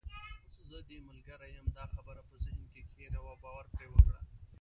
زه دې ملګرې یم، دا خبره په ذهن کې کښېنوه او باور پرې وکړه.